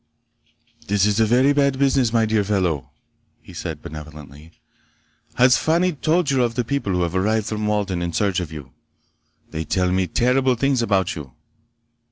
"This is a very bad business, my dear fellow," he said benevolently. "Has Fani told you of the people who arrived from Walden in search of you? They tell me terrible things about you!"